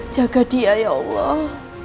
jaga dia ya allah